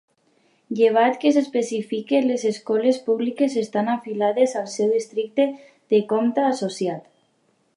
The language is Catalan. Llevat que s'especifiqui, les escoles públiques estan afiliades al seu districte de comtat associat.